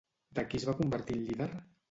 De qui es va convertir en líder?